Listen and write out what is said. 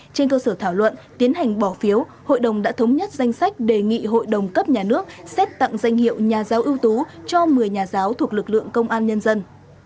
trên cơ sở thảo luận tiến hành bỏ phiếu hội đồng đã thống nhất danh sách đề nghị hội đồng cấp nhà nước xét tặng danh hiệu nhà giáo ưu tú cho một mươi nhà giáo thuộc lực lượng công an nhân dân